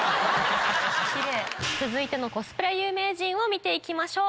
続いてのコスプレ有名人を見て行きましょう。